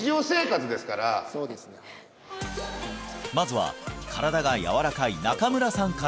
まずは身体が柔らかい中村さんから